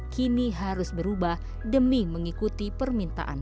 kini harus berubah demi mengikuti permintaan